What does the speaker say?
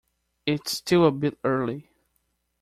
It's still a bit early.